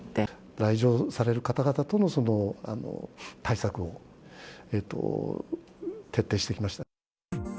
来場される方々との対策を徹底してきました。